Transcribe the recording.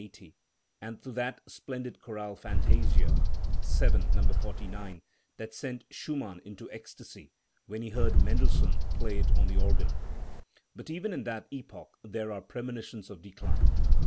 180) and to that splendid chorale fantasia (VII. No, 49) that sent Schumann into ecstasy when he heard Mendelssohn play it on the organ. But even in that epoch there are premonitions of decline.